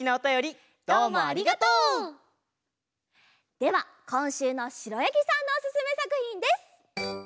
ではこんしゅうのしろやぎさんのおすすめさくひんです。